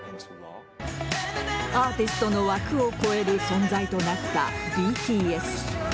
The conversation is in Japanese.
アーティストの枠を超える存在となったＢＴＳ。